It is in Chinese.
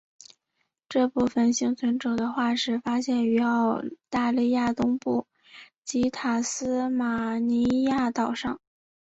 这部分幸存者的化石发现于澳大利亚东部及塔斯马尼亚岛上。